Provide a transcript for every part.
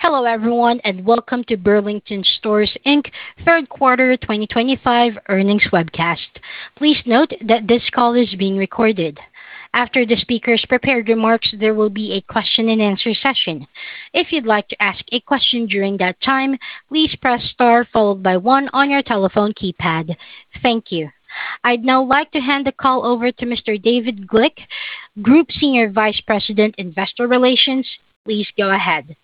Hello everyone, and welcome to Burlington Stores Inc. Third Quarter 2025 earnings webcast. Please note that this call is being recorded. After the speakers' prepared remarks, there will be a question-and-answer session. If you'd like to ask a question during that time, please press star followed by one on your telephone keypad. Thank you. I'd now like to hand the call over to Mr. David Glick, Group Senior Vice President, Investor Relations. Please go ahead.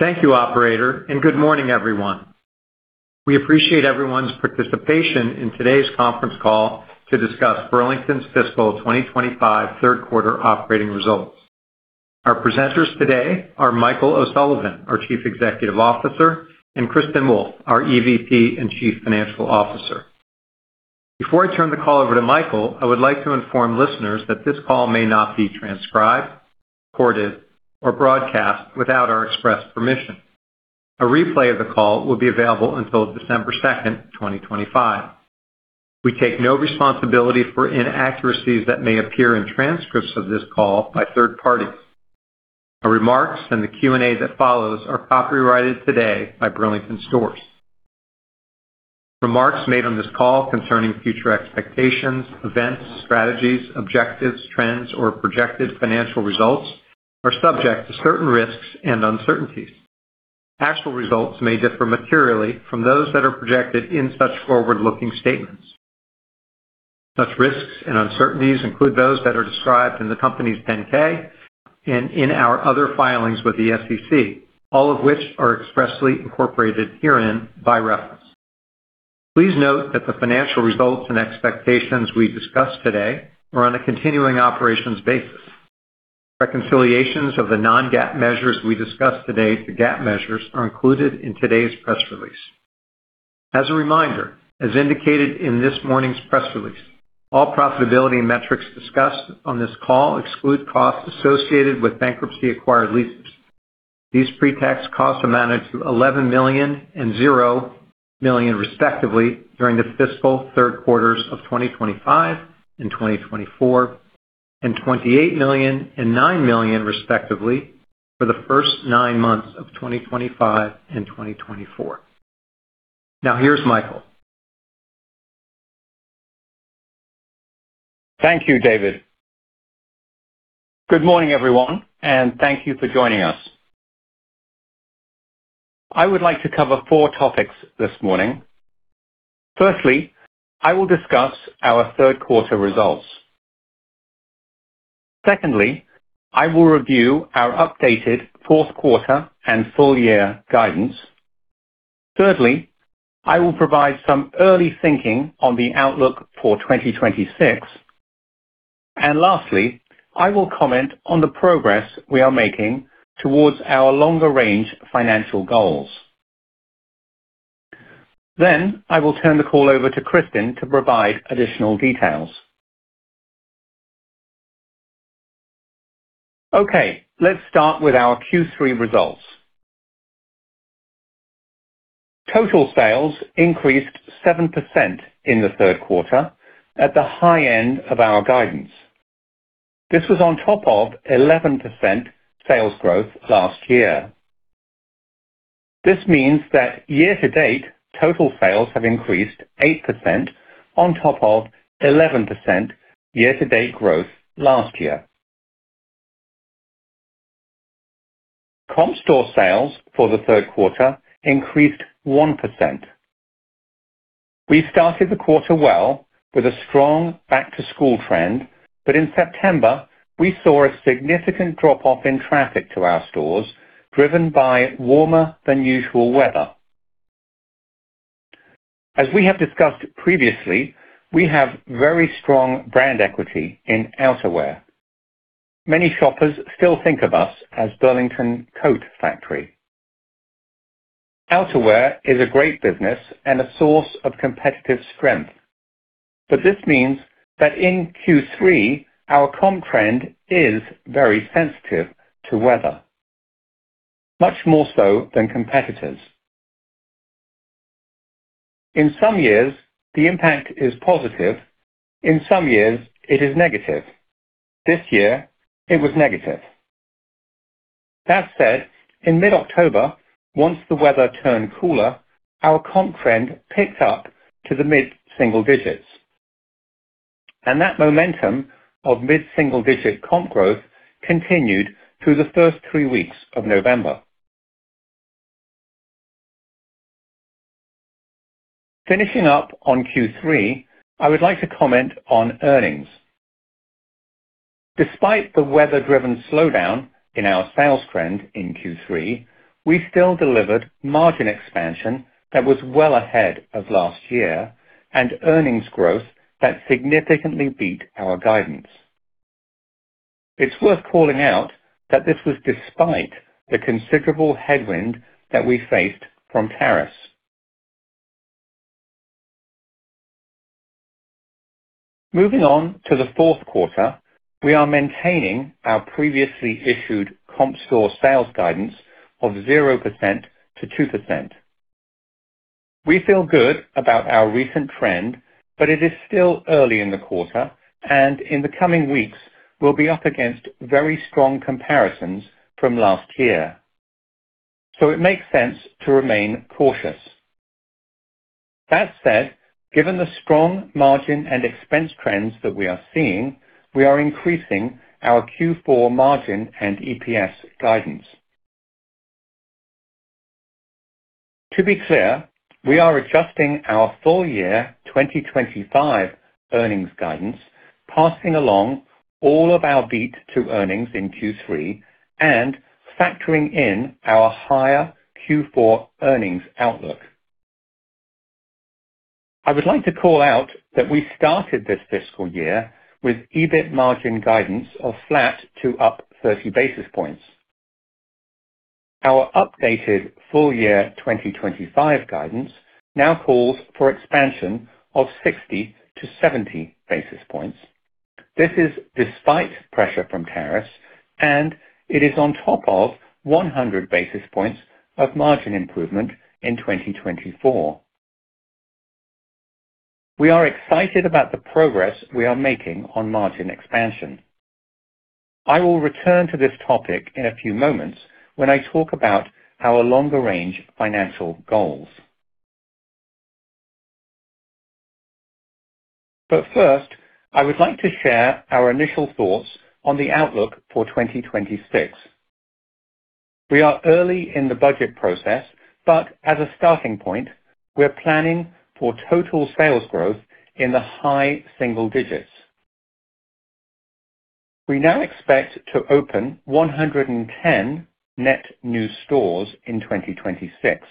Thank you, Operator, and good morning, everyone. We appreciate everyone's participation in today's conference call to discuss Burlington's fiscal 2025 third quarter operating results. Our presenters today are Michael O'Sullivan, our Chief Executive Officer, and Kristin Wolfe, our EVP and Chief Financial Officer. Before I turn the call over to Michael, I would like to inform listeners that this call may not be transcribed, recorded, or broadcast without our express permission. A replay of the call will be available until December 2nd, 2025. We take no responsibility for inaccuracies that may appear in transcripts of this call by third parties. Our remarks and the Q&A that follows are copyrighted today by Burlington Stores. Remarks made on this call concerning future expectations, events, strategies, objectives, trends, or projected financial results are subject to certain risks and uncertainties. Actual results may differ materially from those that are projected in such forward-looking statements. Such risks and uncertainties include those that are described in the company's 10-K and in our other filings with the SEC, all of which are expressly incorporated herein by reference. Please note that the financial results and expectations we discuss today are on a continuing operations basis. Reconciliations of the non-GAAP measures we discuss today to GAAP measures are included in today's press release. As a reminder, as indicated in this morning's press release, all profitability metrics discussed on this call exclude costs associated with bankruptcy-acquired leases. These pre-tax costs amounted to $11 million and $0 million, respectively, during the fiscal third quarters of 2025 and 2024, and $28 million and $9 million, respectively, for the first nine months of 2025 and 2024. Now, here's Michael. Thank you, David. Good morning, everyone, and thank you for joining us. I would like to cover four topics this morning. Firstly, I will discuss our third quarter results. Secondly, I will review our updated fourth quarter and full-year guidance. Thirdly, I will provide some early thinking on the outlook for 2026. And lastly, I will comment on the progress we are making towards our longer-range financial goals. Then I will turn the call over to Kristin to provide additional details. Okay, let's start with our Q3 results. Total sales increased 7% in the third quarter at the high end of our guidance. This was on top of 11% sales growth last year. This means that year-to-date total sales have increased 8% on top of 11% year-to-date growth last year. Comp store sales for the third quarter increased 1%. We started the quarter well with a strong back-to-school trend, but in September, we saw a significant drop-off in traffic to our stores driven by warmer-than-usual weather. As we have discussed previously, we have very strong brand equity in outerwear. Many shoppers still think of us as Burlington Coat Factory. Outerwear is a great business and a source of competitive strength, but this means that in Q3, our comp trend is very sensitive to weather, much more so than competitors. In some years, the impact is positive. In some years, it is negative. This year, it was negative. That said, in mid-October, once the weather turned cooler, our comp trend picked up to the mid-single digits. And that momentum of mid-single digit comp growth continued through the first three weeks of November. Finishing up on Q3, I would like to comment on earnings. Despite the weather-driven slowdown in our sales trend in Q3, we still delivered margin expansion that was well ahead of last year and earnings growth that significantly beat our guidance. It's worth calling out that this was despite the considerable headwind that we faced from tariffs. Moving on to the fourth quarter, we are maintaining our previously issued comp store sales guidance of 0%-2%. We feel good about our recent trend, but it is still early in the quarter, and in the coming weeks, we'll be up against very strong comparisons from last year. So it makes sense to remain cautious. That said, given the strong margin and expense trends that we are seeing, we are increasing our Q4 margin and EPS guidance. To be clear, we are adjusting our full-year 2025 earnings guidance, passing along all of our beat to earnings in Q3 and factoring in our higher Q4 earnings outlook. I would like to call out that we started this fiscal year with EBIT margin guidance of flat to up 30 basis points. Our updated full-year 2025 guidance now calls for expansion of 60 basis points-70 basis points. This is despite pressure from tariffs, and it is on top of 100 basis points of margin improvement in 2024. We are excited about the progress we are making on margin expansion. I will return to this topic in a few moments when I talk about our longer-range financial goals. First, I would like to share our initial thoughts on the outlook for 2026. We are early in the budget process, but as a starting point, we're planning for total sales growth in the high single digits. We now expect to open 110 net new stores in 2026.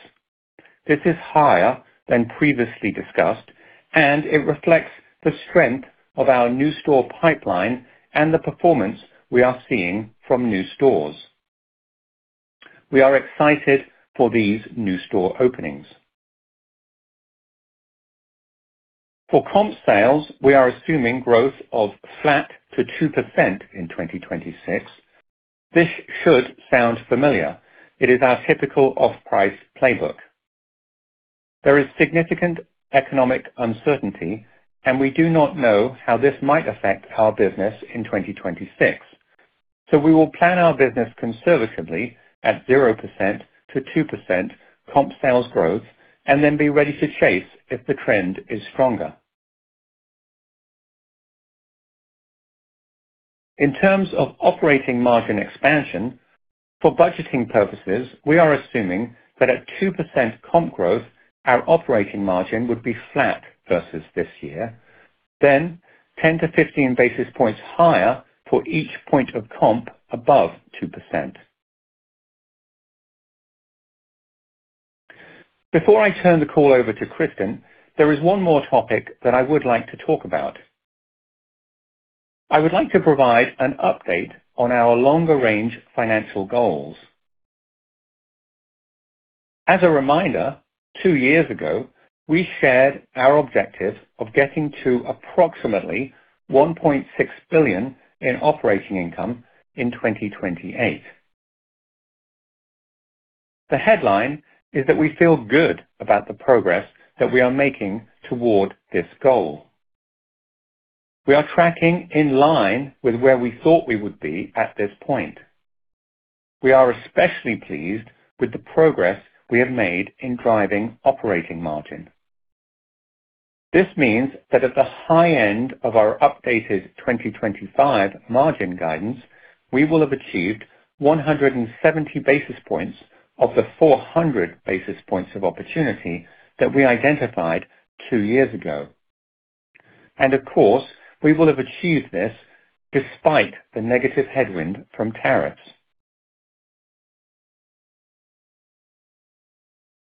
This is higher than previously discussed, and it reflects the strength of our new store pipeline and the performance we are seeing from new stores. We are excited for these new store openings. For comp sales, we are assuming growth of flat to 2% in 2026. This should sound familiar. It is our typical off-price playbook. There is significant economic uncertainty, and we do not know how this might affect our business in 2026. We will plan our business conservatively at 0%-2% comp sales growth and then be ready to chase if the trend is stronger. In terms of operating margin expansion, for budgeting purposes, we are assuming that at 2% comp growth, our operating margin would be flat versus this year, then 10 basis points-15 basis points higher for each point of comp above 2%. Before I turn the call over to Kristin, there is one more topic that I would like to talk about. I would like to provide an update on our longer-range financial goals. As a reminder, two years ago, we shared our objective of getting to approximately $1.6 billion in operating income in 2028. The headline is that we feel good about the progress that we are making toward this goal. We are tracking in line with where we thought we would be at this point. We are especially pleased with the progress we have made in driving operating margin. This means that at the high end of our updated 2025 margin guidance, we will have achieved 170 basis points of the 400 basis points of opportunity that we identified two years ago. And of course, we will have achieved this despite the negative headwind from tariffs.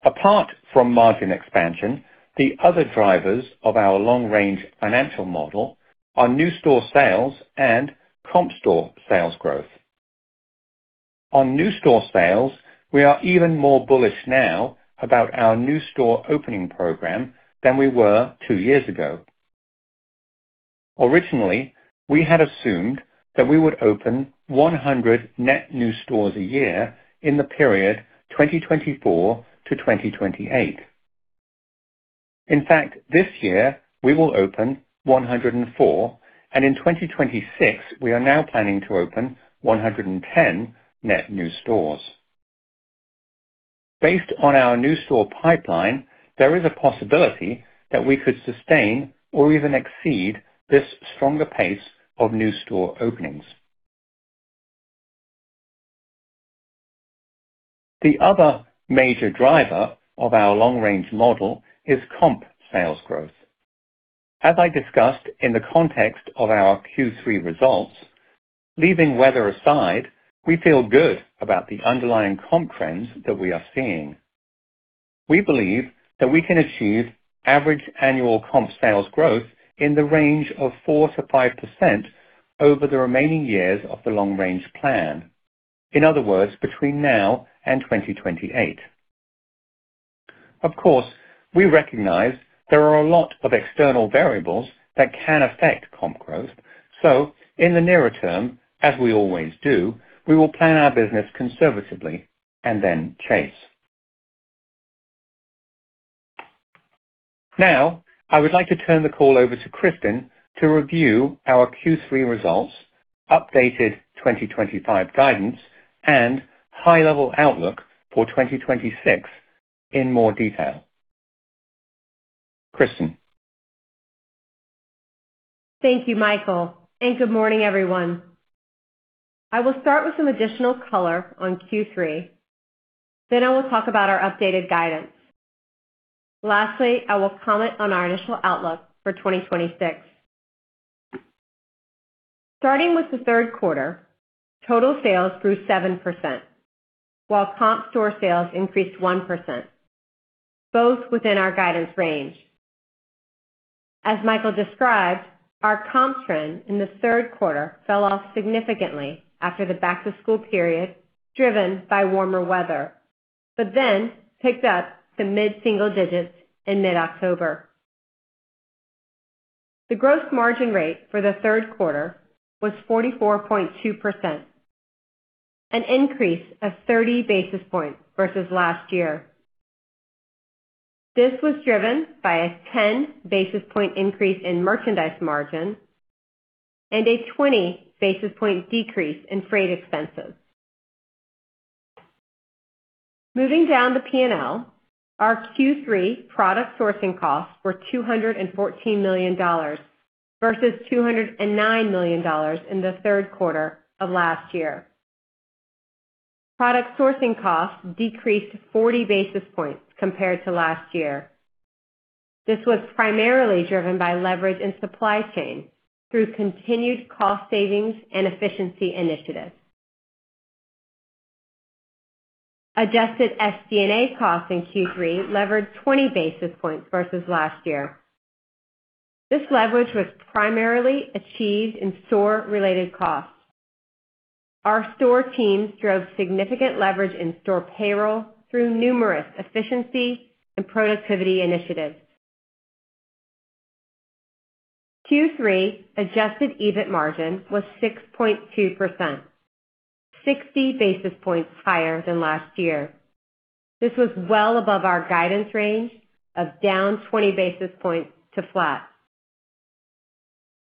Apart from margin expansion, the other drivers of our long-range financial model are new store sales and comp store sales growth. On new store sales, we are even more bullish now about our new store opening program than we were two years ago. Originally, we had assumed that we would open 100 net new stores a year in the period 2024-2028. In fact, this year, we will open 104, and in 2026, we are now planning to open 110 net new stores. Based on our new store pipeline, there is a possibility that we could sustain or even exceed this stronger pace of new store openings. The other major driver of our long-range model is comp sales growth. As I discussed in the context of our Q3 results, leaving weather aside, we feel good about the underlying comp trends that we are seeing. We believe that we can achieve average annual comp sales growth in the range of 4%-5% over the remaining years of the long-range plan, in other words, between now and 2028. Of course, we recognize there are a lot of external variables that can affect comp growth. So in the nearer term, as we always do, we will plan our business conservatively and then chase. Now, I would like to turn the call over to Kristin to review our Q3 results, updated 2025 guidance, and high-level outlook for 2026 in more detail. Kristin. Thank you, Michael. And good morning, everyone. I will start with some additional color on Q3. Then I will talk about our updated guidance. Lastly, I will comment on our initial outlook for 2026. Starting with the third quarter, total sales grew 7%, while comp store sales increased 1%, both within our guidance range. As Michael described, our comp trend in the third quarter fell off significantly after the back-to-school period driven by warmer weather, but then picked up to mid-single digits in mid-October. The gross margin rate for the third quarter was 44.2%, an increase of 30 basis points versus last year. This was driven by a 10 basis point increase in merchandise margin and a 20 basis point decrease in freight expenses. Moving down the P&L, our Q3 product sourcing costs were $214 million versus $209 million in the third quarter of last year. Product sourcing costs decreased 40 basis points compared to last year. This was primarily driven by leverage in supply chain through continued cost savings and efficiency initiatives. Adjusted SG&A costs in Q3 levered 20 basis points versus last year. This leverage was primarily achieved in store-related costs. Our store teams drove significant leverage in store payroll through numerous efficiency and productivity initiatives. Q3 adjusted EBIT margin was 6.2%, 60 basis points higher than last year. This was well above our guidance range of down 20 basis points to flat.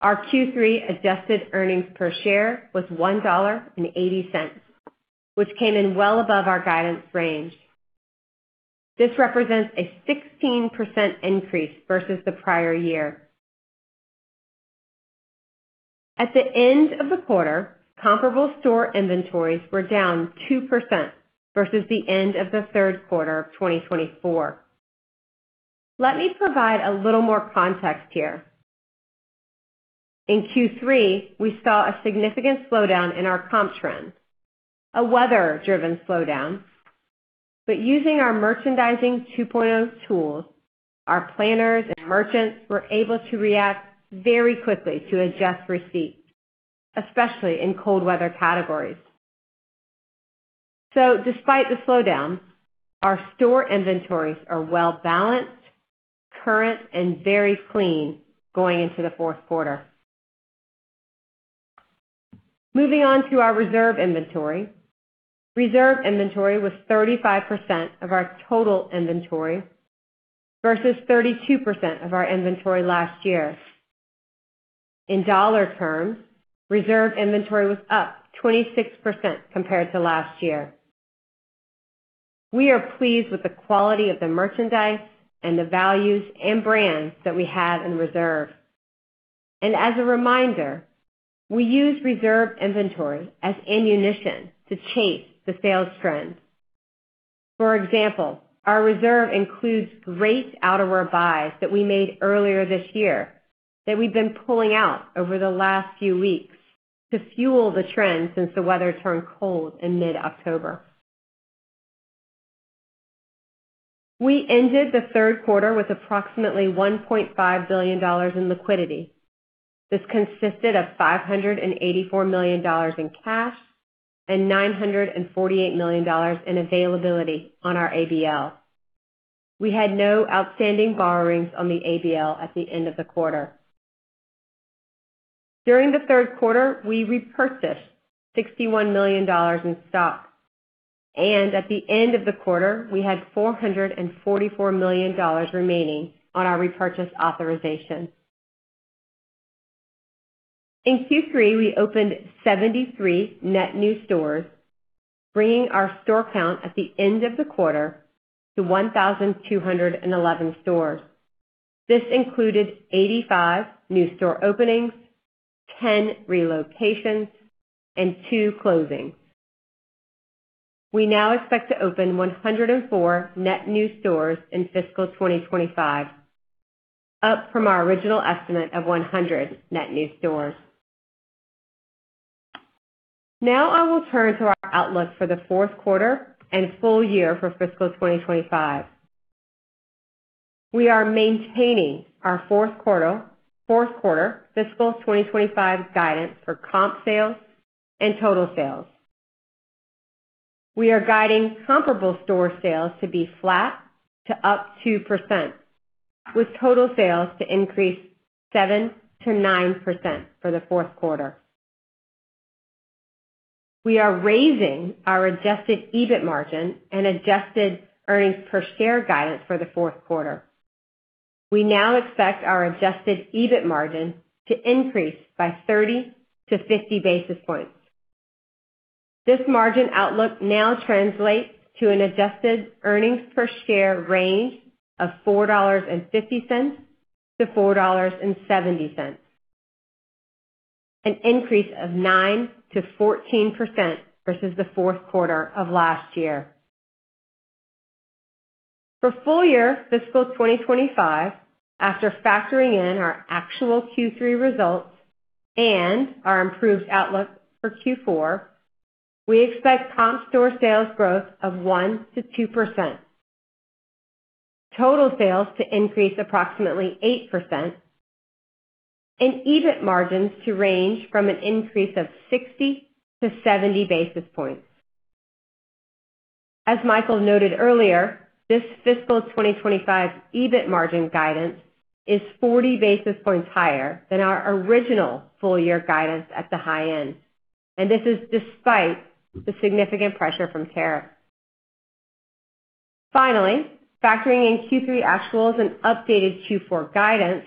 Our Q3 adjusted earnings per share was $1.80, which came in well above our guidance range. This represents a 16% increase versus the prior year. At the end of the quarter, comparable store inventories were down 2% versus the end of the third quarter of 2024. Let me provide a little more context here. In Q3, we saw a significant slowdown in our comp trend, a weather-driven slowdown. But using our Merchandising 2.0 tools, our planners and merchants were able to react very quickly to adjust receipts, especially in cold weather categories. So despite the slowdown, our store inventories are well-balanced, current, and very clean going into the fourth quarter. Moving on to our reserve inventory. Reserve inventory was 35% of our total inventory versus 32% of our inventory last year. In dollar terms, reserve inventory was up 26% compared to last year. We are pleased with the quality of the merchandise and the values and brands that we have in reserve. And as a reminder, we use reserve inventory as ammunition to chase the sales trend. For example, our reserve includes great outerwear buys that we made earlier this year that we've been pulling out over the last few weeks to fuel the trend since the weather turned cold in mid-October. We ended the third quarter with approximately $1.5 billion in liquidity. This consisted of $584 million in cash and $948 million in availability on our ABL. We had no outstanding borrowings on the ABL at the end of the quarter. During the third quarter, we repurchased $61 million in stock. And at the end of the quarter, we had $444 million remaining on our repurchase authorization. In Q3, we opened 73 net new stores, bringing our store count at the end of the quarter to 1,211 stores. This included 85 new store openings, 10 relocations, and 2 closings. We now expect to open 104 net new stores in fiscal 2025, up from our original estimate of 100 net new stores. Now I will turn to our outlook for the fourth quarter and full year for fiscal 2025. We are maintaining our fourth quarter fiscal 2025 guidance for comp sales and total sales. We are guiding comparable store sales to be flat to up 2%, with total sales to increase 7% to 9% for the fourth quarter. We are raising our adjusted EBIT margin and adjusted earnings per share guidance for the fourth quarter. We now expect our adjusted EBIT margin to increase by 30 basis points-50 basis points. This margin outlook now translates to an adjusted earnings per share range of $4.50-$4.70, an increase of 9% to 14% versus the fourth quarter of last year. For full year fiscal 2025, after factoring in our actual Q3 results and our improved outlook for Q4, we expect comp store sales growth of 1% to 2%, total sales to increase approximately 8%, and EBIT margins to range from an increase of 60 basis points to 70 basis points. As Michael noted earlier, this fiscal 2025 EBIT margin guidance is 40 basis points higher than our original full year guidance at the high end. And this is despite the significant pressure from tariffs. Finally, factoring in Q3 actuals and updated Q4 guidance,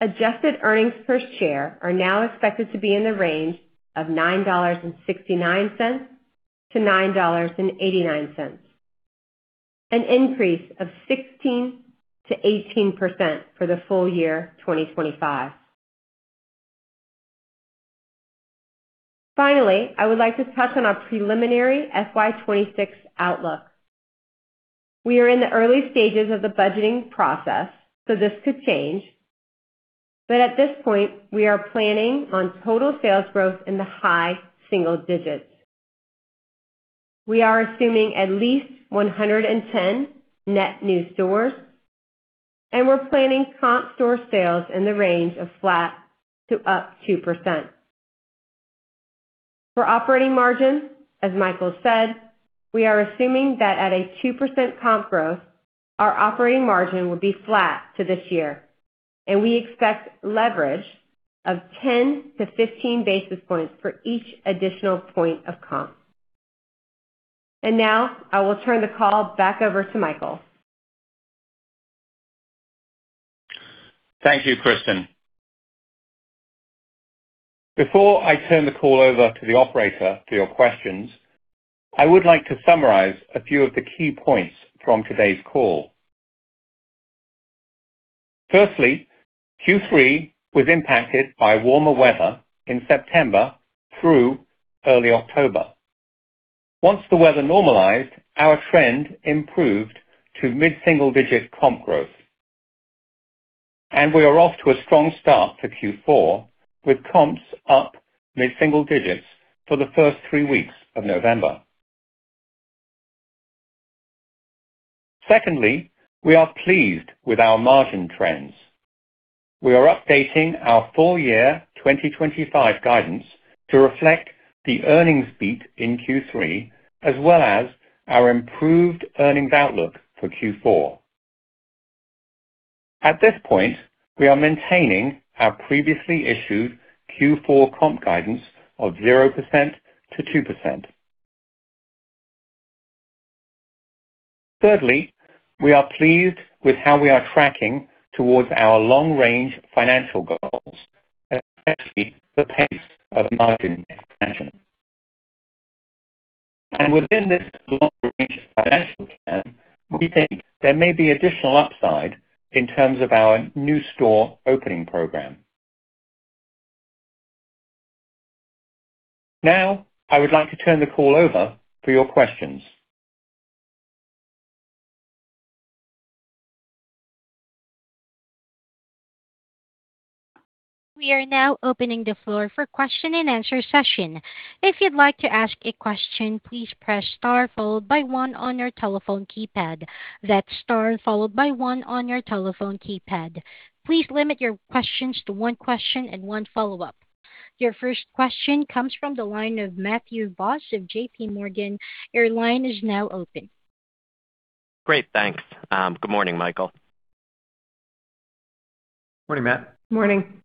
adjusted earnings per share are now expected to be in the range of $9.69-$9.89, an increase of 16% to 18% for the full year 2025. Finally, I would like to touch on our preliminary FY26 outlook. We are in the early stages of the budgeting process, so this could change. But at this point, we are planning on total sales growth in the high single digits. We are assuming at least 110 net new stores, and we're planning comp store sales in the range of flat to up 2%. For operating margin, as Michael said, we are assuming that at a 2% comp growth, our operating margin will be flat to this year. And we expect leverage of 10 to 15 basis points for each additional point of comp. And now I will turn the call back over to Michael. Thank you, Kristin. Before I turn the call over to the operator for your questions, I would like to summarize a few of the key points from today's call. Firstly, Q3 was impacted by warmer weather in September through early October. Once the weather normalized, our trend improved to mid-single digit comp growth. And we are off to a strong start for Q4, with comps up mid-single digits for the first three weeks of November. Secondly, we are pleased with our margin trends. We are updating our full year 2025 guidance to reflect the earnings beat in Q3, as well as our improved earnings outlook for Q4. At this point, we are maintaining our previously issued Q4 comp guidance of 0%-2%. Thirdly, we are pleased with how we are tracking towards our long-range financial goals, especially the pace of margin expansion. And within this long-range financial plan, we think there may be additional upside in terms of our new store opening program. Now, I would like to turn the call over for your questions. We are now opening the floor for question and answer session. If you'd like to ask a question, please press star followed by one on your telephone keypad. That's star followed by one on your telephone keypad. Please limit your questions to one question and one follow-up. Your first question comes from the line of Matthew Boss of JP Morgan. Your line is now open. Great. Thanks. Good morning, Michael. Morning, Matt. Morning.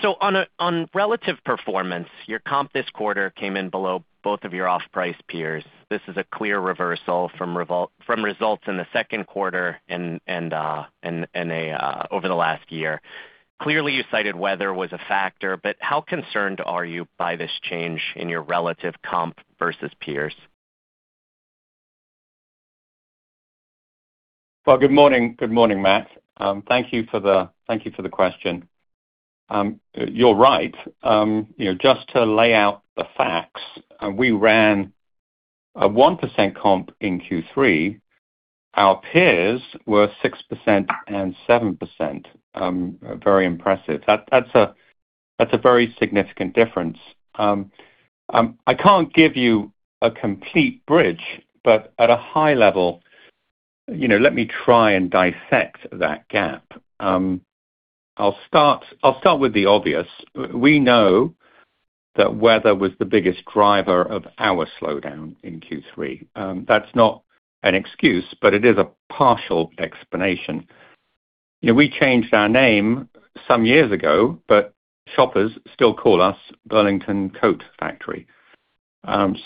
So on relative performance, your comp this quarter came in below both of your off-price peers. This is a clear reversal from results in the second quarter and over the last year. Clearly, you cited weather was a factor, but how concerned are you by this change in your relative comp versus peers? Well, good morning. Good morning, Matt. Thank you for the question. You're right. Just to lay out the facts, we ran a 1% comp in Q3. Our peers were 6% and 7%. Very impressive. That's a very significant difference. I can't give you a complete bridge, but at a high level, let me try and dissect that gap. I'll start with the obvious. We know that weather was the biggest driver of our slowdown in Q3. That's not an excuse, but it is a partial explanation. We changed our name some years ago, but shoppers still call us Burlington Coat Factory.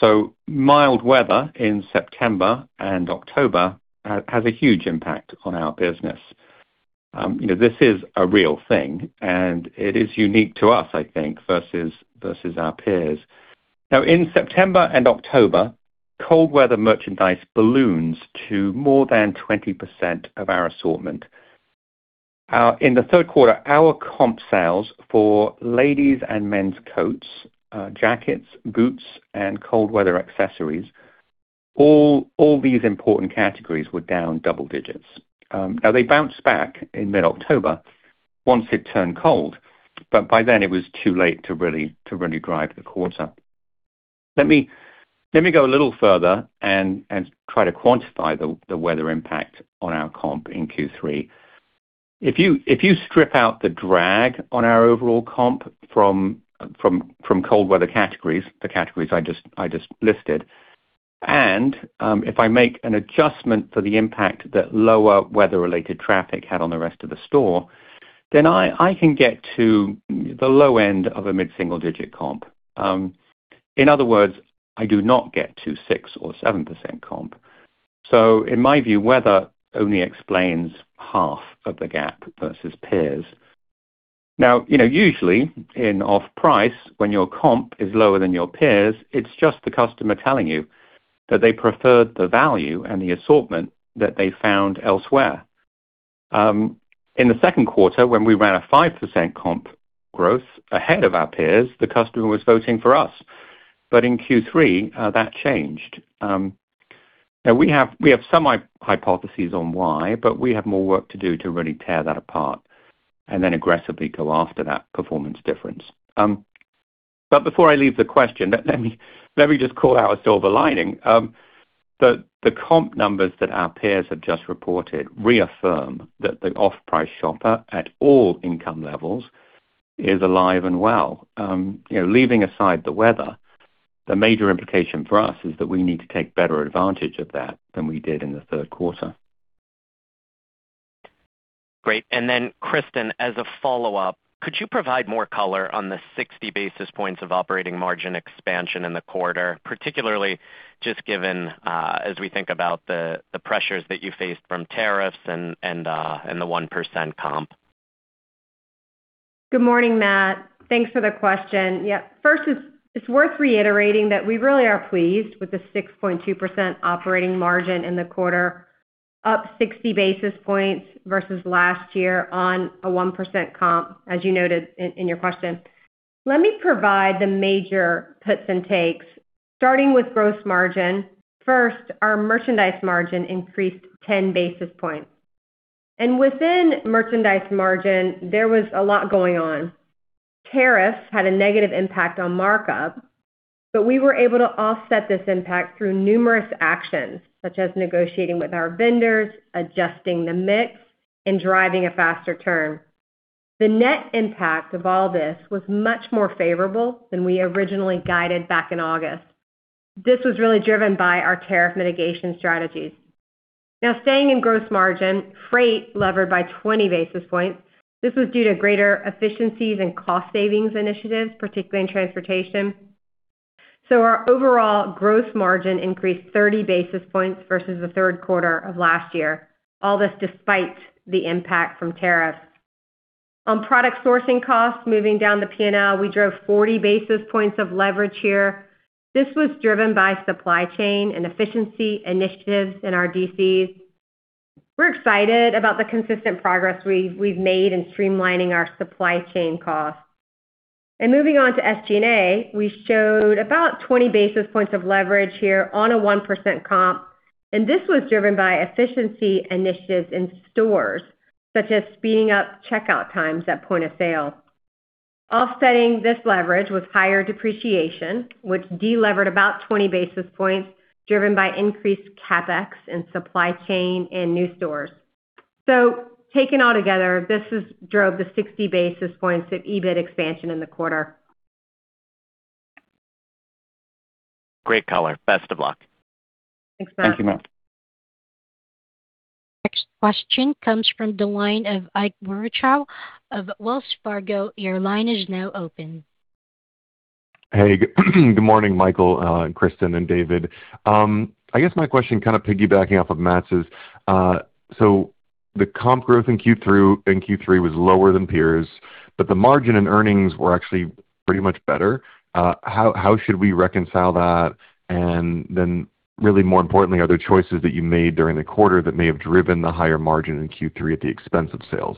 So mild weather in September and October has a huge impact on our business. This is a real thing, and it is unique to us, I think, versus our peers. Now, in September and October, cold weather merchandise ballooned to more than 20% of our assortment. In the third quarter, our comp sales for ladies and men's coats, jackets, boots, and cold weather accessories, all these important categories were down double digits. Now, they bounced back in mid-October once it turned cold, but by then, it was too late to really drive the quarter. Let me go a little further and try to quantify the weather impact on our comp in Q3. If you strip out the drag on our overall comp from cold weather categories, the categories I just listed, and if I make an adjustment for the impact that lower weather-related traffic had on the rest of the store, then I can get to the low end of a mid-single digit comp. In other words, I do not get to 6% or 7% comp. So in my view, weather only explains half of the gap versus peers. Now, usually, in off-price, when your comp is lower than your peers, it's just the customer telling you that they preferred the value and the assortment that they found elsewhere. In the second quarter, when we ran a 5% comp growth ahead of our peers, the customer was voting for us. But in Q3, that changed. Now, we have some hypotheses on why, but we have more work to do to really tear that apart and then aggressively go after that performance difference. But before I leave the question, let me just call out a silver lining. The comp numbers that our peers have just reported reaffirm that the off-price shopper at all income levels is alive and well. Leaving aside the weather, the major implication for us is that we need to take better advantage of that than we did in the third quarter. Great. And then, Kristin, as a follow-up, could you provide more color on the 60 basis points of operating margin expansion in the quarter, particularly just given as we think about the pressures that you faced from tariffs and the 1% comp? Good morning, Matt. Thanks for the question. Yeah. First, it's worth reiterating that we really are pleased with the 6.2% operating margin in the quarter, up 60 basis points versus last year on a 1% comp, as you noted in your question. Let me provide the major puts and takes, starting with gross margin. First, our merchandise margin increased 10 basis points. And within merchandise margin, there was a lot going on. Tariffs had a negative impact on markup, but we were able to offset this impact through numerous actions, such as negotiating with our vendors, adjusting the mix, and driving a faster turn. The net impact of all this was much more favorable than we originally guided back in August. This was really driven by our tariff mitigation strategies. Now, staying in gross margin, freight levered by 20 basis points. This was due to greater efficiencies and cost savings initiatives, particularly in transportation. So our overall gross margin increased 30 basis points versus the third quarter of last year, all this despite the impact from tariffs. On product sourcing costs, moving down the P&L, we drove 40 basis points of leverage here. This was driven by supply chain and efficiency initiatives in our DCs. We're excited about the consistent progress we've made in streamlining our supply chain costs. And moving on to SG&A, we showed about 20 basis points of leverage here on a 1% comp. And this was driven by efficiency initiatives in stores, such as speeding up checkout times at point of sale. Offsetting this leverage was higher depreciation, which de-levered about 20 basis points, driven by increased CapEx in supply chain and new stores. So taken all together, this drove the 60 basis points of EBIT expansion in the quarter. Great color. Best of luck. Thanks, Matt. Thank you, Matt. Next question comes from the line of Ike Boruchow of Wells Fargo. Your line is now open. Hey. Good morning, Michael, Kristin, and David. I guess my question kind of piggybacking off of Matt's is, so the comp growth in Q3 was lower than peers, but the margin and earnings were actually pretty much better. How should we reconcile that? And then, really more importantly, are there choices that you made during the quarter that may have driven the higher margin in Q3 at the expense of sales?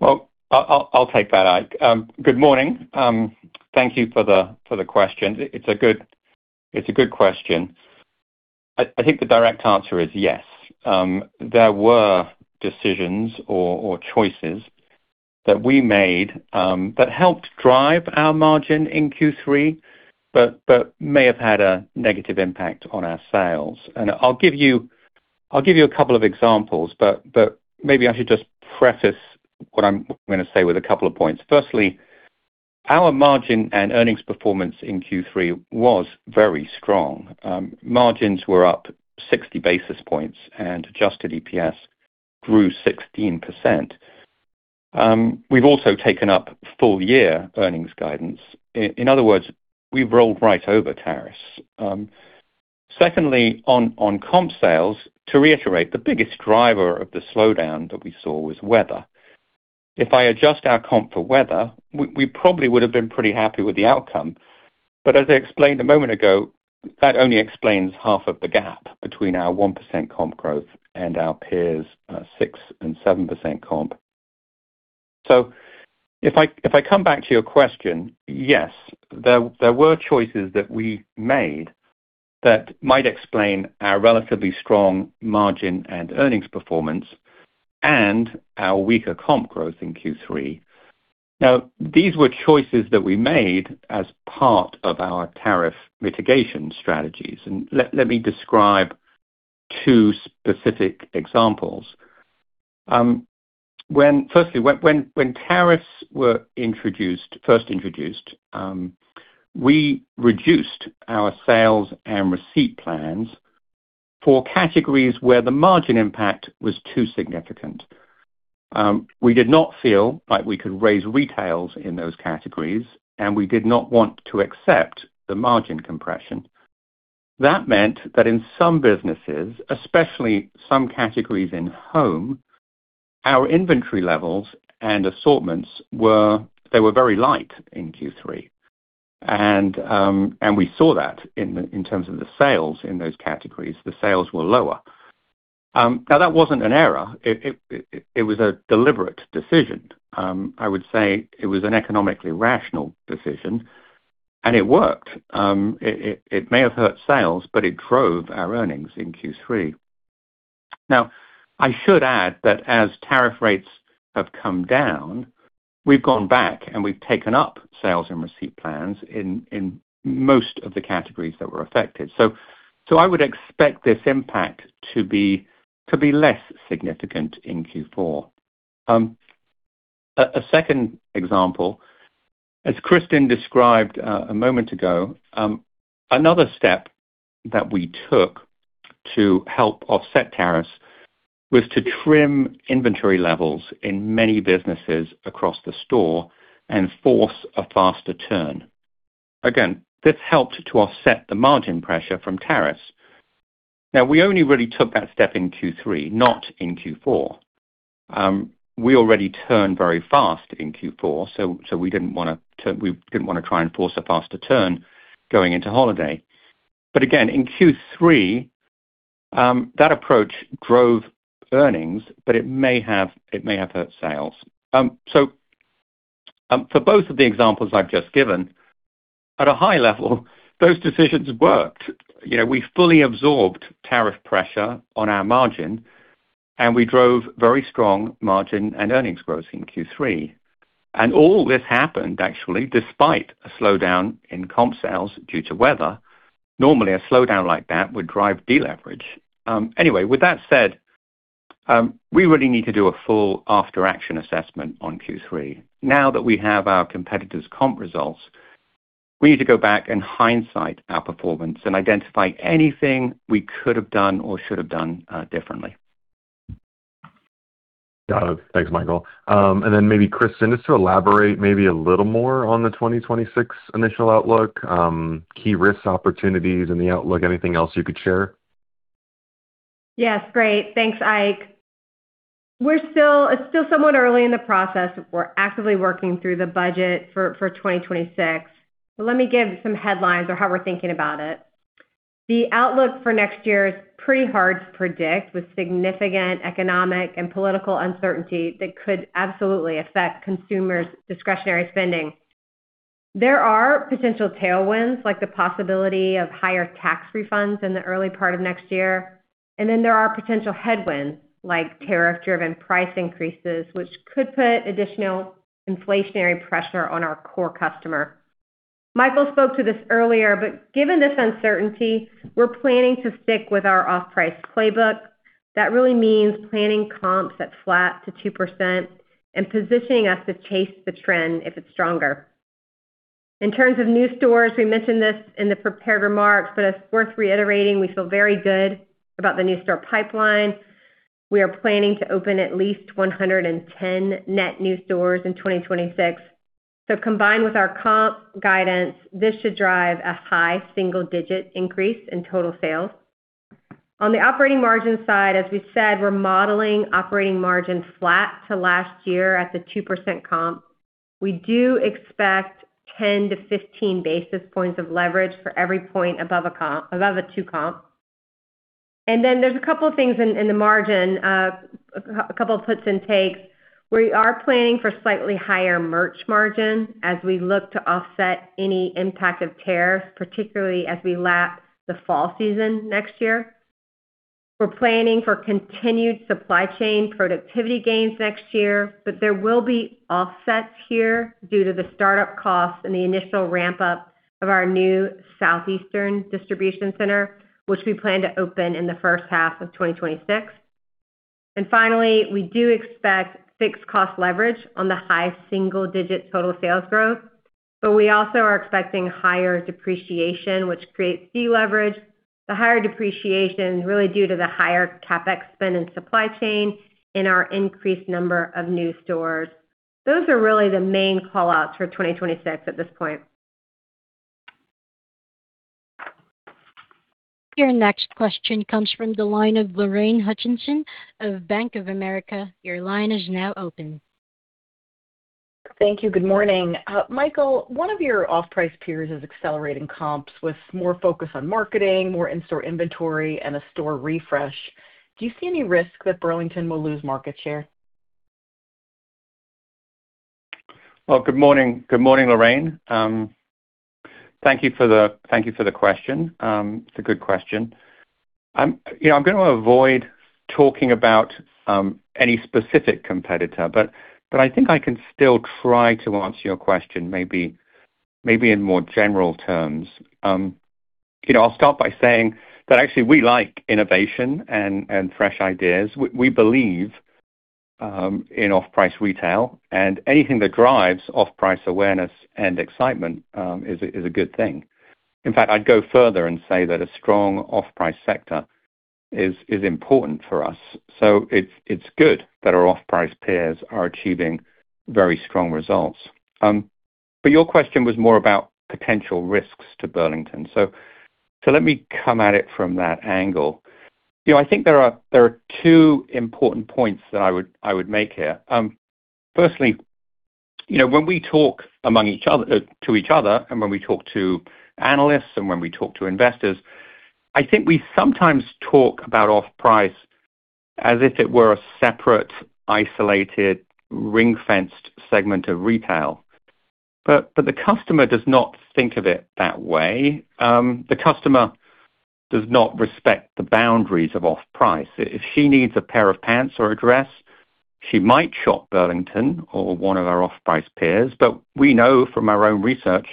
Well, I'll take that out. Good morning. Thank you for the question. It's a good question. I think the direct answer is yes. There were decisions or choices that we made that helped drive our margin in Q3 but may have had a negative impact on our sales. And I'll give you a couple of examples, but maybe I should just preface what I'm going to say with a couple of points. Firstly, our margin and earnings performance in Q3 was very strong. Margins were up 60 basis points, and adjusted EPS grew 16%. We've also taken up full-year earnings guidance. In other words, we've rolled right over tariffs. Secondly, on comp sales, to reiterate, the biggest driver of the slowdown that we saw was weather. If I adjust our comp for weather, we probably would have been pretty happy with the outcome. But as I explained a moment ago, that only explains half of the gap between our 1% comp growth and our peers' 6 and 7% comp. So if I come back to your question, yes, there were choices that we made that might explain our relatively strong margin and earnings performance and our weaker comp growth in Q3. Now, these were choices that we made as part of our tariff mitigation strategies. And let me describe two specific examples. Firstly, when tariffs were first introduced, we reduced our sales and receipt plans for categories where the margin impact was too significant. We did not feel like we could raise retails in those categories, and we did not want to accept the margin compression. That meant that in some businesses, especially some categories in home, our inventory levels and assortments were very light in Q3. And we saw that in terms of the sales in those categories. The sales were lower. Now, that wasn't an error. It was a deliberate decision. I would say it was an economically rational decision, and it worked. It may have hurt sales, but it drove our earnings in Q3. Now, I should add that as tariff rates have come down, we've gone back and we've taken up sales and receipt plans in most of the categories that were affected. So I would expect this impact to be less significant in Q4. A second example, as Kristin described a moment ago, another step that we took to help offset tariffs was to trim inventory levels in many businesses across the store and force a faster turn. Again, this helped to offset the margin pressure from tariffs. Now, we only really took that step in Q3, not in Q4. We already turned very fast in Q4, so we didn't want to we didn't want to try and force a faster turn going into holiday. But again, in Q3, that approach drove earnings, but it may have hurt sales. So for both of the examples I've just given, at a high level, those decisions worked. We fully absorbed tariff pressure on our margin, and we drove very strong margin and earnings growth in Q3. And all this happened, actually, despite a slowdown in comp sales due to weather. Normally, a slowdown like that would drive de-leverage. Anyway, with that said, we really need to do a full after-action assessment on Q3. Now that we have our competitors' comp results, we need to go back and hindsight our performance and identify anything we could have done or should have done differently. Thanks, Michael. And then maybe, Kristin, just to elaborate maybe a little more on the 2026 initial outlook, key risk opportunities in the outlook, anything else you could share? Yes. Great. Thanks, Ike. It's still somewhat early in the process. We're actively working through the budget for 2026. But let me give some headlines or how we're thinking about it. The outlook for next year is pretty hard to predict with significant economic and political uncertainty that could absolutely affect consumers' discretionary spending. There are potential tailwinds like the possibility of higher tax refunds in the early part of next year. And then there are potential headwinds like tariff-driven price increases, which could put additional inflationary pressure on our core customer. Michael spoke to this earlier, but given this uncertainty, we're planning to stick with our off-price playbook. That really means planning comps at flat to 2% and positioning us to chase the trend if it's stronger. In terms of new stores, we mentioned this in the prepared remarks, but it's worth reiterating. We feel very good about the new store pipeline. We are planning to open at least 110 net new stores in 2026. So combined with our comp guidance, this should drive a high single-digit increase in total sales. On the operating margin side, as we said, we're modeling operating margin flat to last year at the 2% comp. We do expect 10 basis points to 15 basis points of leverage for every point above a 2 comp. And then there's a couple of things in the margin, a couple of puts and takes. We are planning for slightly higher merch margin as we look to offset any impact of tariffs, particularly as we lap the fall season next year. We're planning for continued supply chain productivity gains next year, but there will be offsets here due to the startup costs and the initial ramp-up of our new Southeastern Distribution Center, which we plan to open in the first half of 2026. And finally, we do expect fixed cost leverage on the high single-digit total sales growth, but we also are expecting higher depreciation, which creates de-leverage. The higher depreciation is really due to the higher CapEx spend in supply chain and our increased number of new stores. Those are really the main callouts for 2026 at this point. Your next question comes from the line of Lorraine Hutchinson of Bank of America. Your line is now open. Thank you. Good morning. Michael, one of your off-price peers is accelerating comps with more focus on marketing, more in-store inventory, and a store refresh. Do you see any risk that Burlington will lose market share? Well, good morning, Lorraine. Thank you for the question. It's a good question. I'm going to avoid talking about any specific competitor, but I think I can still try to answer your question maybe in more general terms. I'll start by saying that actually we like innovation and fresh ideas. We believe in off-price retail, and anything that drives off-price awareness and excitement is a good thing. In fact, I'd go further and say that a strong off-price sector is important for us. So it's good that our off-price peers are achieving very strong results. But your question was more about potential risks to Burlington. So let me come at it from that angle. I think there are two important points that I would make here. Firstly, when we talk among each other to each other and when we talk to analysts and when we talk to investors, I think we sometimes talk about off-price as if it were a separate, isolated, ring-fenced segment of retail. But the customer does not think of it that way. The customer does not respect the boundaries of off-price. If she needs a pair of pants or a dress, she might shop Burlington or one of our off-price peers. But we know from our own research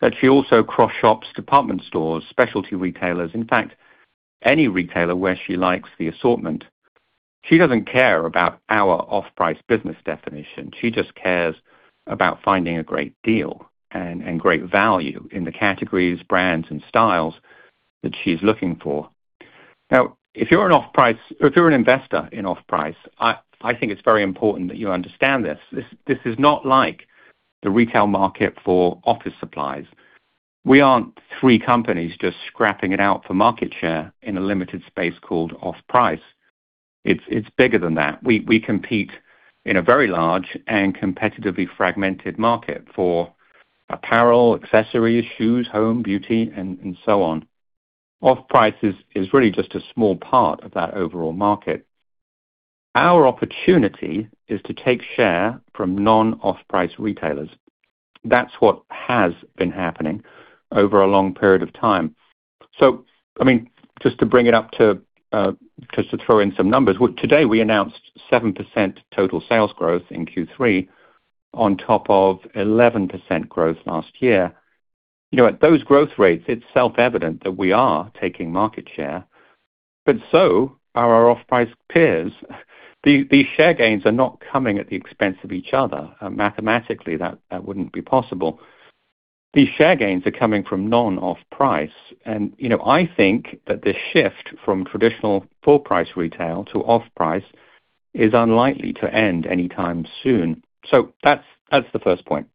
that she also cross-shops department stores, specialty retailers, in fact, any retailer where she likes the assortment. She doesn't care about our off-price business definition. She just cares about finding a great deal and great value in the categories, brands, and styles that she's looking for. Now, if you're an off-price or if you're an investor in off-price, I think it's very important that you understand this. This is not like the retail market for office supplies. We aren't three companies just scrapping it out for market share in a limited space called off-price. It's bigger than that. We compete in a very large and competitively fragmented market for apparel, accessories, shoes, home, beauty, and so on. Off-price is really just a small part of that overall market. Our opportunity is to take share from non-off-price retailers. That's what has been happening over a long period of time. So, I mean, just to bring it up to just to throw in some numbers, today we announced 7% total sales growth in Q3 on top of 11% growth last year. At those growth rates, it's self-evident that we are taking market share. But so are our off-price peers. These share gains are not coming at the expense of each other. Mathematically, that wouldn't be possible. These share gains are coming from non-off-price. And I think that the shift from traditional full-price retail to off-price is unlikely to end anytime soon. So that's the first point.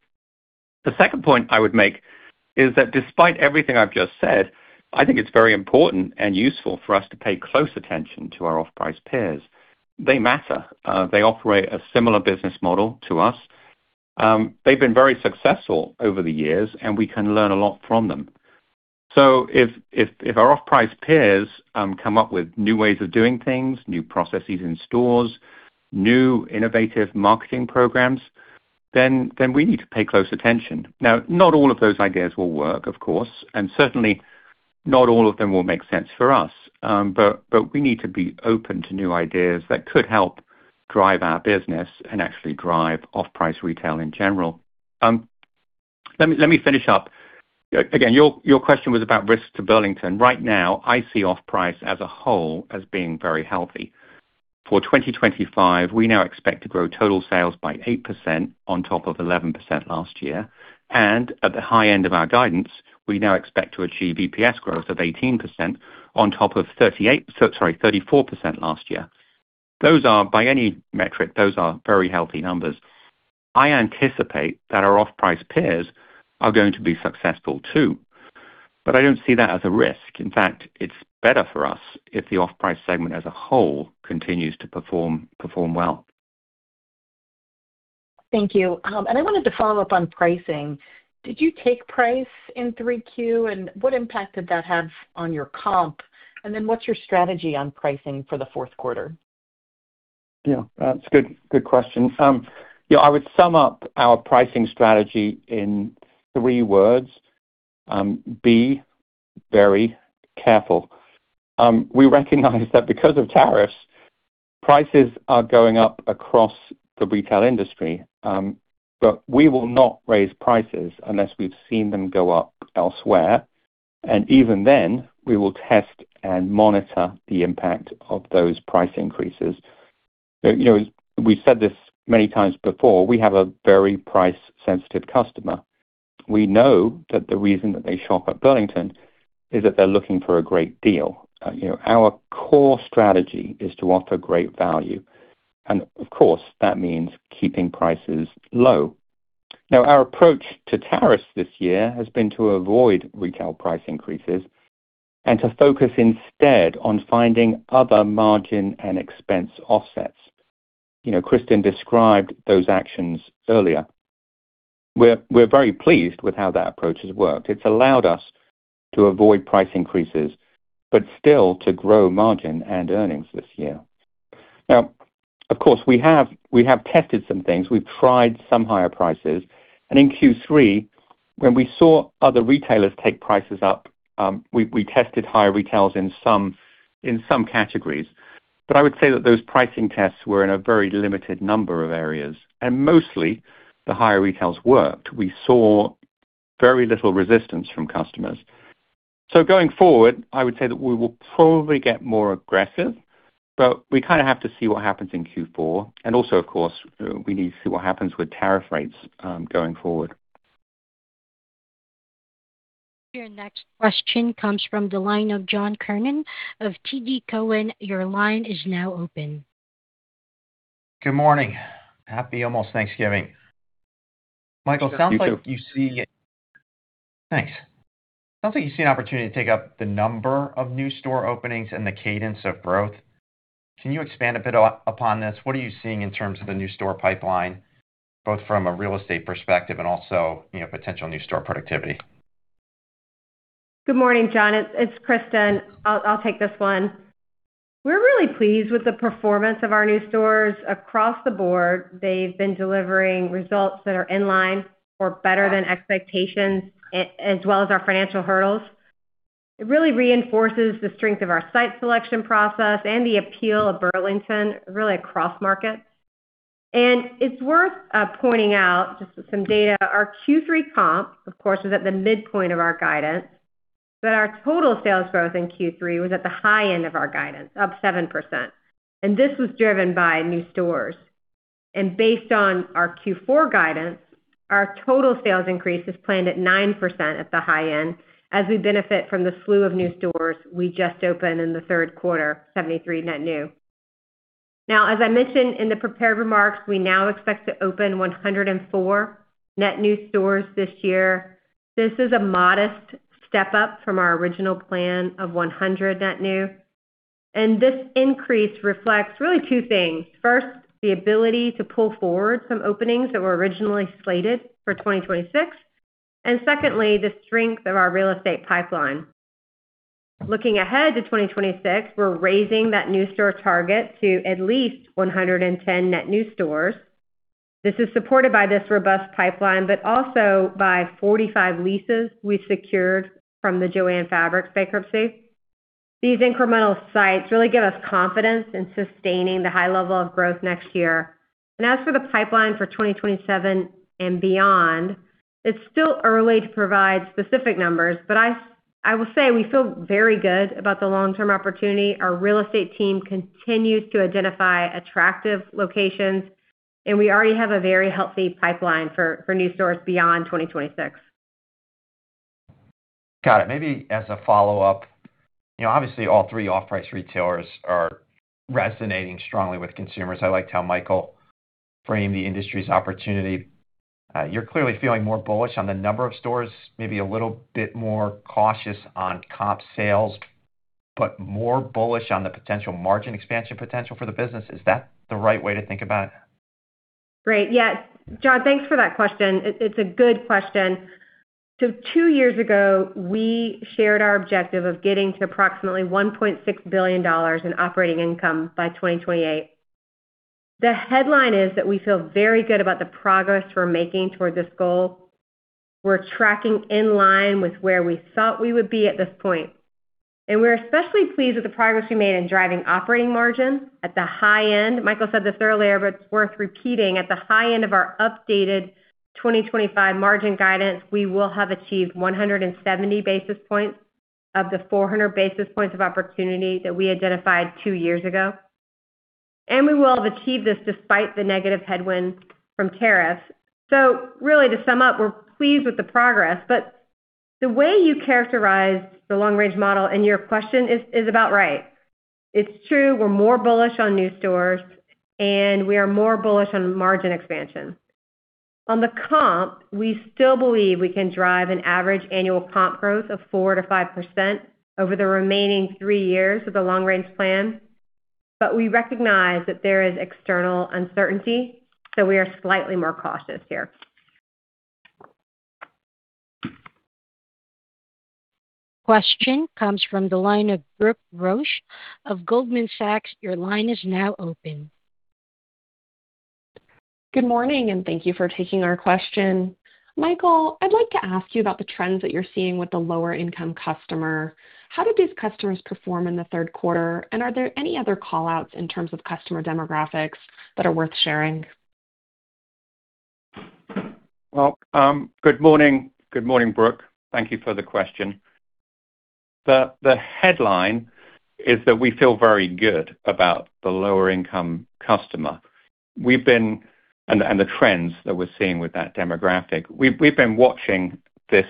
The second point I would make is that despite everything I've just said, I think it's very important and useful for us to pay close attention to our off-price peers. They matter. They operate a similar business model to us. They've been very successful over the years, and we can learn a lot from them. So if our off-price peers come up with new ways of doing things, new processes in stores, new innovative marketing programs, then we need to pay close attention. Now, not all of those ideas will work, of course, and certainly not all of them will make sense for us. But we need to be open to new ideas that could help drive our business and actually drive off-price retail in general. Let me finish up. Again, your question was about risk to Burlington. Right now, I see off-price as a whole as being very healthy. For 2025, we now expect to grow total sales by 8% on top of 11% last year. And at the high end of our guidance, we now expect to achieve EPS growth of 18% on top of 34% last year. By any metric, those are very healthy numbers. I anticipate that our off-price peers are going to be successful too. But I don't see that as a risk. In fact, it's better for us if the off-price segment as a whole continues to perform well. Thank you. And I wanted to follow up on pricing. Did you take price in 3Q, and what impact did that have on your comp? And then what's your strategy on pricing for the fourth quarter? Yeah. That's a good question. I would sum up our pricing strategy in three words: Be, very careful. We recognize that because of tariffs, prices are going up across the retail industry, but we will not raise prices unless we've seen them go up elsewhere. And even then, we will test and monitor the impact of those price increases. We've said this many times before. We have a very price-sensitive customer. We know that the reason that they shop at Burlington is that they're looking for a great deal. Our core strategy is to offer great value. And of course, that means keeping prices low. Now, our approach to tariffs this year has been to avoid retail price increases and to focus instead on finding other margin and expense offsets. Kristin described those actions earlier. We're very pleased with how that approach has worked. It's allowed us to avoid price increases, but still to grow margin and earnings this year. Now, of course, we have tested some things. We've tried some higher prices. And in Q3, when we saw other retailers take prices up, we tested higher retails in some categories. But I would say that those pricing tests were in a very limited number of areas. And mostly, the higher retails. We saw very little resistance from customers. So going forward, I would say that we will probably get more aggressive, but we kind of have to see what happens in Q4. And also, of course, we need to see what happens with tariff rates going forward. Your next question comes from the line of John Kernan of TD Cowen. Your line is now open. Good morning. Happy almost Thanksgiving. Michael, it sounds like you see it. Thanks. It sounds like you see an opportunity to take up the number of new store openings and the cadence of growth. Can you expand a bit upon this? What are you seeing in terms of the new store pipeline, both from a real estate perspective and also potential new store productivity? Good morning, John. It's Kristin. I'll take this one. We're really pleased with the performance of our new stores across the board. They've been delivering results that are in line or better than expectations, as well as our financial hurdles. It really reinforces the strength of our site selection process and the appeal of Burlington, really across markets. And it's worth pointing out just some data. Our Q3 comp, of course, was at the midpoint of our guidance, but our total sales growth in Q3 was at the high end of our guidance, up 7%. And this was driven by new stores. And based on our Q4 guidance, our total sales increase is planned at 9% at the high end as we benefit from the slew of new stores we just opened in the third quarter, 73 net new. Now, as I mentioned in the prepared remarks, we now expect to open 104 net new stores this year. This is a modest step up from our original plan of 100 net new. And this increase reflects really two things. First, the ability to pull forward some openings that were originally slated for 2026. And secondly, the strength of our real estate pipeline. Looking ahead to 2026, we're raising that new store target to at least 110 net new stores. This is supported by this robust pipeline, but also by 45 leases we secured from the Joann Fabrics bankruptcy. These incremental sites really give us confidence in sustaining the high level of growth next year. And as for the pipeline for 2027 and beyond, it's still early to provide specific numbers, but I will say we feel very good about the long-term opportunity. Our real estate team continues to identify attractive locations, and we already have a very healthy pipeline for new stores beyond 2026. Got it. Maybe as a follow-up, obviously, all three off-price retailers are resonating strongly with consumers. I like to how Michael framed the industry's opportunity. You're clearly feeling more bullish on the number of stores, maybe a little bit more cautious on comp sales, but more bullish on the potential margin expansion potential for the business. Is that the right way to think about it? Great. Yes. John, thanks for that question. It's a good question. So two years ago, we shared our objective of getting to approximately $1.6 billion in operating income by 2028. The headline is that we feel very good about the progress we're making toward this goal. We're tracking in line with where we thought we would be at this point. And we're especially pleased with the progress we made in driving operating margin at the high end. Michael said this earlier, but it's worth repeating. At the high end of our updated 2025 margin guidance, we will have achieved 170 basis points of the 400 basis points of opportunity that we identified two years ago. And we will have achieved this despite the negative headwinds from tariffs. So really, to sum up, we're pleased with the progress. But the way you characterized the long-range model in your question is about right. It's true. We're more bullish on new stores, and we are more bullish on margin expansion. On the comp, we still believe we can drive an average annual comp growth of 4% to 5% over the remaining three years of the long-range plan. But we recognize that there is external uncertainty, so we are slightly more cautious here. Question comes from the line of Brooke Roach of Goldman Sachs. Your line is now open. Good morning, and thank you for taking our question. Michael, I'd like to ask you about the trends that you're seeing with the lower-income customer. How did these customers perform in the third quarter? And are there any other callouts in terms of customer demographics that are worth sharing? Well, good morning. Good morning, Brooke. Thank you for the question. The headline is that we feel very good about the lower-income customer. And the trends that we're seeing with that demographic, we've been watching this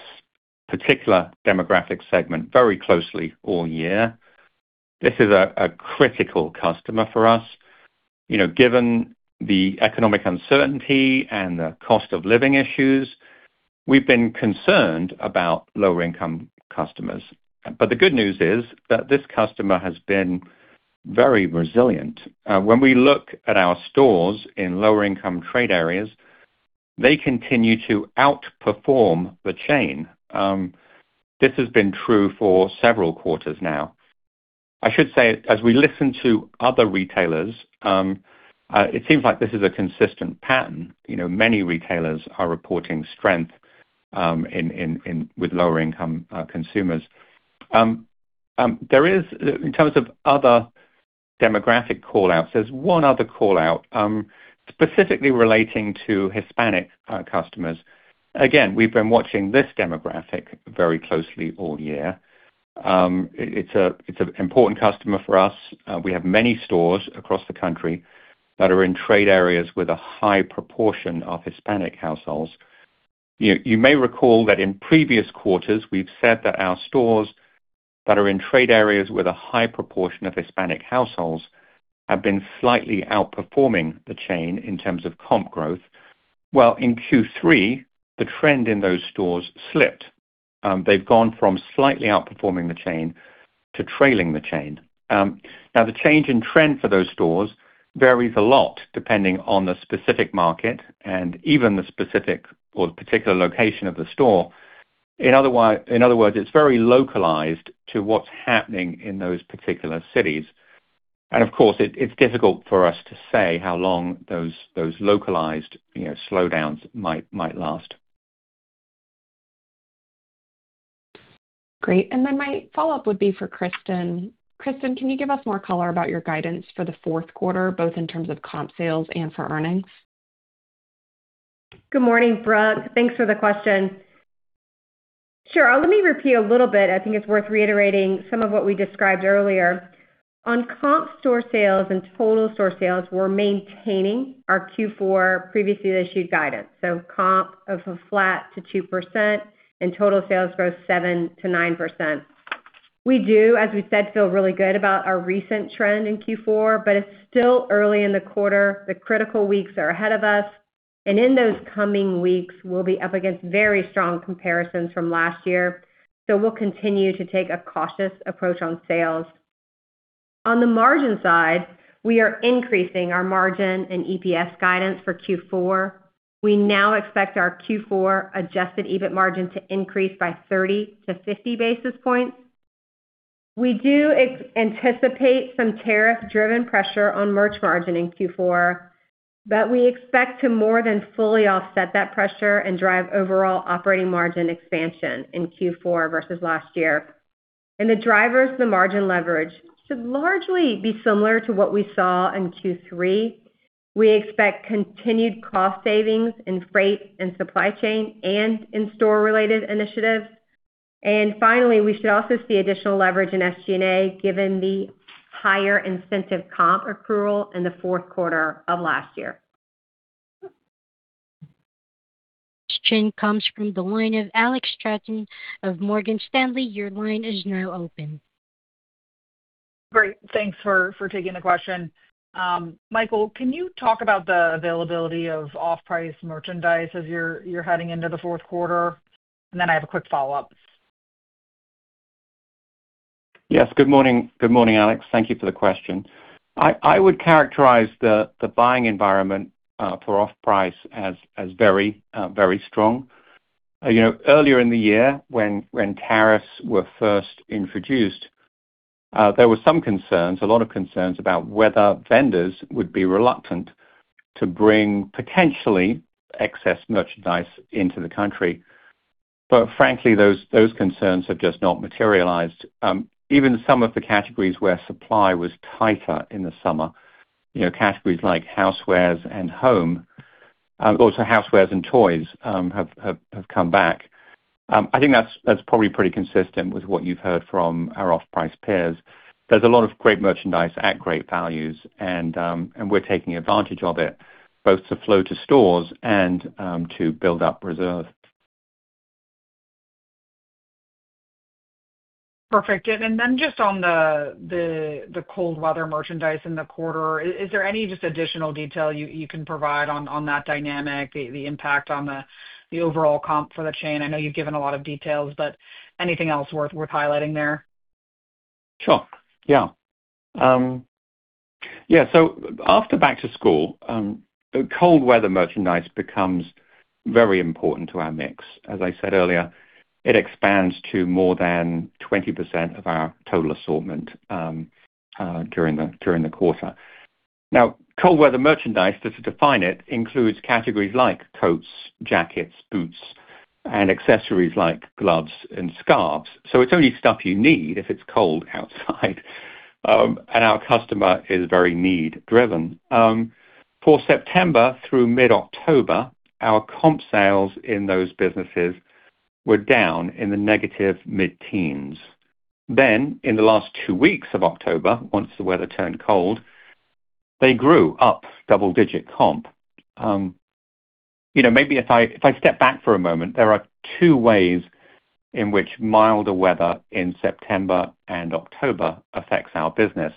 particular demographic segment very closely all year. This is a critical customer for us. Given the economic uncertainty and the cost of living issues, we've been concerned about lower-income customers. But the good news is that this customer has been very resilient. When we look at our stores in lower-income trade areas, they continue to outperform the chain. This has been true for several quarters now. I should say, as we listen to other retailers, it seems like this is a consistent pattern. Many retailers are reporting strength with lower-income consumers. In terms of other demographic callouts, there's one other callout specifically relating to Hispanic customers. Again, we've been watching this demographic very closely all year. It's an important customer for us. We have many stores across the country that are in trade areas with a high proportion of Hispanic households. You may recall that in previous quarters, we've said that our stores that are in trade areas with a high proportion of Hispanic households have been slightly outperforming the chain in terms of comp growth. Well, in Q3, the trend in those stores slipped. They've gone from slightly outperforming the chain to trailing the chain. Now, the change in trend for those stores varies a lot depending on the specific market and even the specific or particular location of the store. In other words, it's very localized to what's happening in those particular cities. And of course, it's difficult for us to say how long those localized slowdowns might last. Great. And then my follow-up would be for Kristin. Kristin, can you give us more color about your guidance for the fourth quarter, both in terms of comp sales and for earnings? Good morning, Brooke. Thanks for the question. Sure. Let me repeat a little bit. I think it's worth reiterating some of what we described earlier. On comp store sales and total store sales, we're maintaining our Q4 previously issued guidance. So comp of a flat to 2% and total sales growth 7% to 9%. We do, as we said, feel really good about our recent trend in Q4, but it's still early in the quarter. The critical weeks are ahead of us. And in those coming weeks, we'll be up against very strong comparisons from last year. So we'll continue to take a cautious approach on sales. On the margin side, we are increasing our margin and EPS guidance for Q4. We now expect our Q4 adjusted EBIT margin to increase by 30 basis points to 50 basis points. We do anticipate some tariff-driven pressure on merch margin in Q4, but we expect to more than fully offset that pressure and drive overall operating margin expansion in Q4 versus last year. And the drivers, the margin leverage, should largely be similar to what we saw in Q3. We expect continued cost savings in freight and supply chain and in store-related initiatives. And finally, we should also see additional leverage in SG&A given the higher incentive comp accrual in the fourth quarter of last year. Question comes from the line of Alex Straton of Morgan Stanley. Your line is now open. Great. Thanks for taking the question. Michael, can you talk about the availability of off-price merchandise as you're heading into the fourth quarter? And then I have a quick follow-up. Yes. Good morning, Alex. Thank you for the question. I would characterize the buying environment for off-price as very, very strong. Earlier in the year, when tariffs were first introduced, there were some concerns, a lot of concerns about whether vendors would be reluctant to bring potentially excess merchandise into the country. But frankly, those concerns have just not materialized. Even some of the categories where supply was tighter in the summer, categories like housewares and home, also housewares and toys, have come back. I think that's probably pretty consistent with what you've heard from our off-price peers. There's a lot of great merchandise at great values, and we're taking advantage of it, both to flow to stores and to build up reserves. Perfect. And then just on the cold weather merchandise in the quarter, is there any just additional detail you can provide on that dynamic, the impact on the overall comp for the chain? I know you've given a lot of details, but anything else worth highlighting there? Sure. Yeah. Yeah. So after Back to School, cold weather merchandise becomes very important to our mix. As I said earlier, it expands to more than 20% of our total assortment during the quarter. Now, cold weather merchandise, just to define it, includes categories like coats, jackets, boots, and accessories like gloves and scarves. So it's only stuff you need if it's cold outside. And our customer is very need-driven. For September through mid-October, our comp sales in those businesses were down in the negative mid-teens. Then, in the last two weeks of October, once the weather turned cold, they grew up double-digit comp. Maybe if I step back for a moment, there are two ways in which milder weather in September and October affects our business.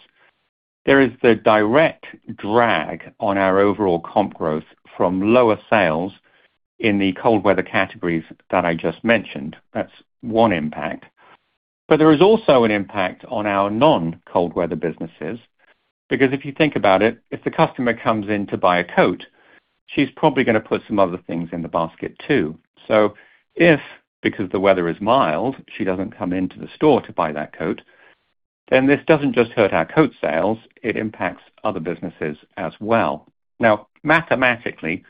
There is the direct drag on our overall comp growth from lower sales in the cold weather categories that I just mentioned. That's one impact. But there is also an impact on our non-cold weather businesses. Because if you think about it, if the customer comes in to buy a coat, she's probably going to put some other things in the basket too. So if, because the weather is mild, she doesn't come into the store to buy that coat, then this doesn't just hurt our coat sales. It impacts other businesses as well. Now, mathematically,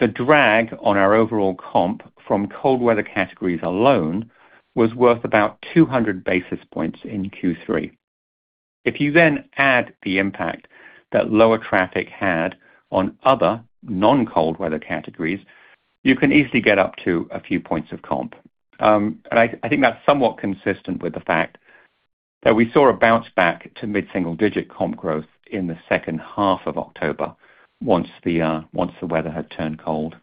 the drag on our overall comp from cold weather categories alone was worth about 200 basis points in Q3. If you then add the impact that lower traffic had on other non-cold weather categories, you can easily get up to a few points of comp. And I think that's somewhat consistent with the fact that we saw a bounce back to mid-single-digit comp growth in the second half of October once the weather had turned cold.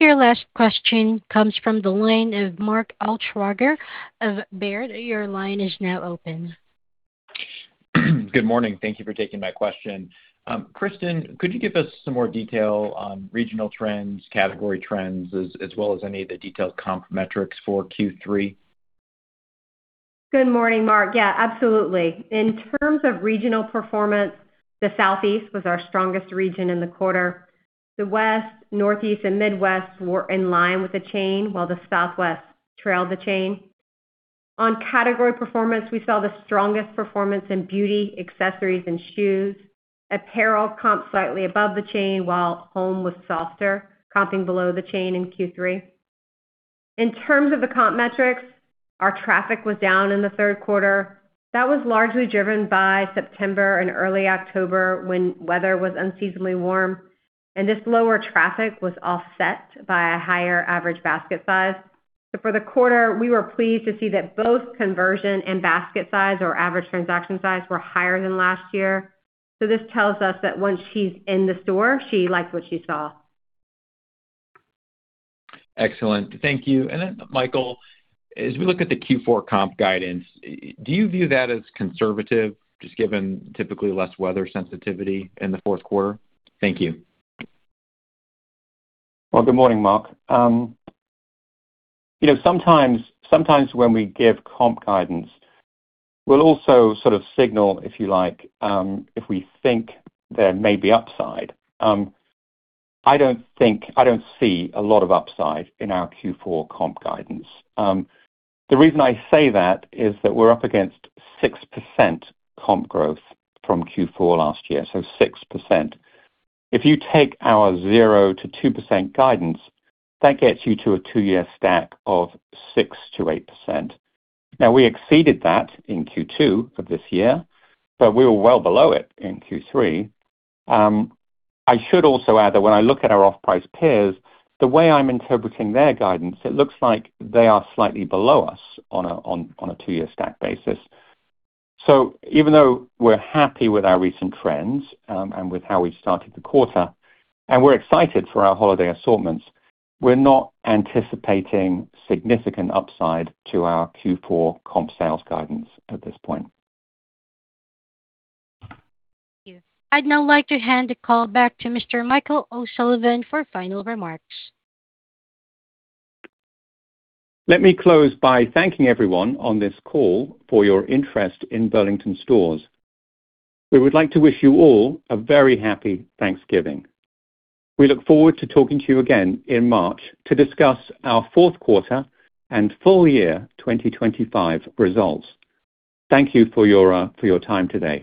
Your last question comes from the line of Mark Altschwager of Baird. Your line is now open. Good morning. Thank you for taking my question. Kristin, could you give us some more detail on regional trends, category trends, as well as any of the detailed comp metrics for Q3? Good morning, Mark. Yeah, absolutely. In terms of regional performance, the Southeast was our strongest region in the quarter. The West, Northeast, and Midwest were in line with the chain, while the Southwest trailed the chain. On category performance, we saw the strongest performance in beauty, accessories, and shoes. Apparel comp slightly above the chain, while home was softer, comping below the chain in Q3. In terms of the comp metrics, our traffic was down in the third quarter. That was largely driven by September and early October when weather was unseasonably warm. And this lower traffic was offset by a higher average basket size. So for the quarter, we were pleased to see that both conversion and basket size or average transaction size were higher than last year. So this tells us that once she's in the store, she liked what she saw. Excellent. Thank you. And then, Michael, as we look at the Q4 comp guidance, do you view that as conservative, just given typically less weather sensitivity in the fourth quarter? Thank you. Good morning, Mark. Sometimes when we give comp guidance, we'll also sort of signal, if you like, if we think there may be upside. I don't see a lot of upside in our Q4 comp guidance. The reason I say that is that we're up against 6% comp growth from Q4 last year, so 6%. If you take our 0%-2% guidance, that gets you to a two-year stack of 6%-8%. Now, we exceeded that in Q2 of this year, but we were well below it in Q3. I should also add that when I look at our off-price peers, the way I'm interpreting their guidance, it looks like they are slightly below us on a two-year stack basis. So even though we're happy with our recent trends and with how we started the quarter, and we're excited for our holiday assortments, we're not anticipating significant upside to our Q4 comp sales guidance at this point. Thank you. I'd now like to hand the call back to Mr. Michael O'Sullivan for final remarks. Let me close by thanking everyone on this call for your interest in Burlington Stores. We would like to wish you all a very happy Thanksgiving. We look forward to talking to you again in March to discuss our fourth quarter and full year 2025 results. Thank you for your time today.